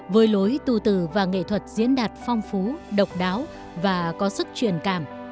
với lối tu tử và nghệ thuật diễn đạt phong phú độc đáo và có sức truyền cảm